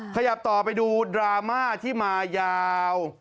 ขยับต่อไปดูดราม่าที่มายาว